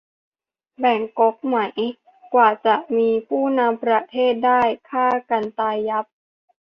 แบ่งก๊กไหม กว่าจะมีผู้นำประเทศได้ฆ่ากันตายยับ